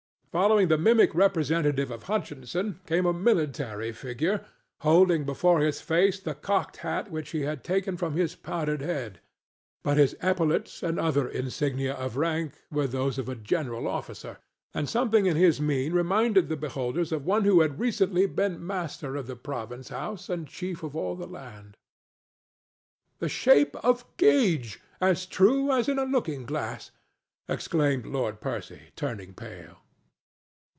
Following the mimic representative of Hutchinson came a military figure holding before his face the cocked hat which he had taken from his powdered head, but his epaulettes and other insignia of rank were those of a general officer, and something in his mien reminded the beholders of one who had recently been master of the province house and chief of all the land. "The shape of Gage, as true as in a looking glass!" exclaimed Lord Percy, turning pale.